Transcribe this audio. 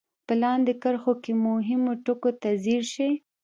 په لاندې کرښو کې مهمو ټکو ته ځير شئ.